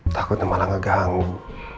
takutnya malah ngeganggu